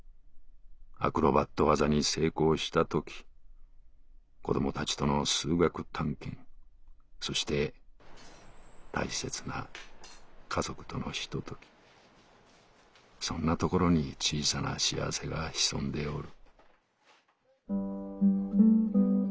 アクロバット技に成功したとき子どもたちとの数学探検．．．．．．そして大切な家族とのひととき．．．．．．そんなところに小さな幸せが潜んでおる」。